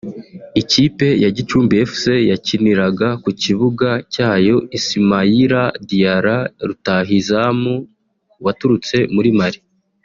Ikipe ya Gicumbi Fc yakiniraga ku kibuga cyayo Ismaila Diarra rutahizamu waturutse muri Mali